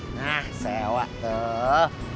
nah sewa tuh